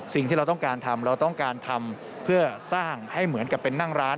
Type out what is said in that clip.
สิ่งที่เราต้องการทำเราต้องการทำเพื่อสร้างให้เหมือนกับเป็นนั่งร้าน